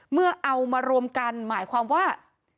เมื่อเอามารวมกันหมายความว่า